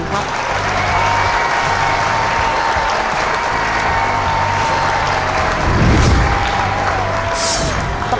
โทษครับ